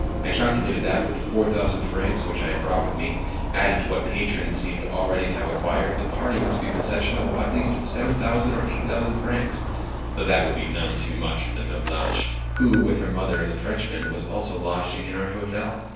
I calculated that, with the 4000 francs which I had brought with me, added to what my patrons seemed already to have acquired, the party must be in possession of at least 7000 or 8000 francs—though that would be none too much for Mlle. Blanche, who, with her mother and the Frenchman, was also lodging in our hotel.